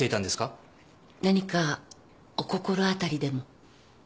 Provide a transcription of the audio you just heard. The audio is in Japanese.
何かお心当たりでも？